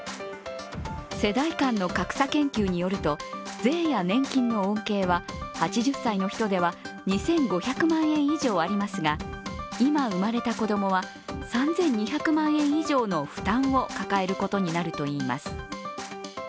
世代間の格差研究によると、税や年金の恩恵は８０歳の人では２５００万円以上ありますが、今、生まれた子供は３２００万円以上の負担を抱えることになるといいます。